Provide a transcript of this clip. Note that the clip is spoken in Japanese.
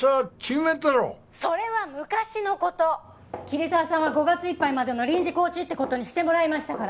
桐沢さんは５月いっぱいまでの臨時コーチって事にしてもらいましたから。